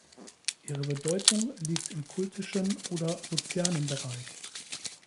Ihre Bedeutung liegt im kultischen oder sozialen Bereich.